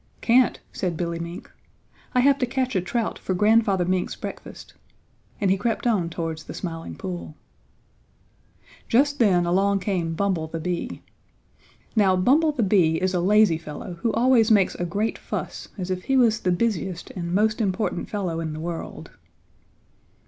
"Can't," said Billy Mink. "I have to catch a trout for Grandfather Mink's breakfast," and he crept on towards the Smiling Pool. Just then along came Bumble the Bee. Now Bumble the Bee is a lazy fellow who always makes a great fuss, as if he was the busiest and most important fellow in the world.